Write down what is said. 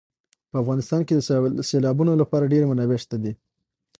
په افغانستان کې د سیلابونو لپاره ډېرې منابع شته دي.